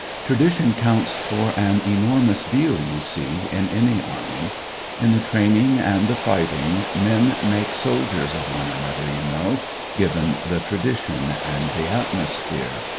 Tradition counts for an enormous deal, you see, in any army ; in the training and the fighting men make soldiers of one another, you know, given the tradition and the atmosphere.